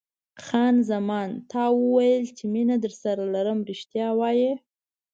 خان زمان: تا وویل چې مینه درسره لرم، رښتیا وایې؟